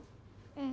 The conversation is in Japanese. うん。